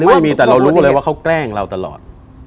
ไม่มีแต่เรารู้เลยว่าเขาแกล้งเราตลอด